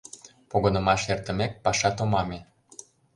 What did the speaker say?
Погынымаш эртымек, паша томаме.